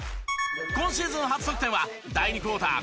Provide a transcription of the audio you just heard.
今シーズン初得点は第２クオーター